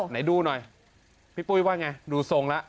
ไหนดูหน่อยพี่ปุ้ยว่าไงดูทรงแล้ว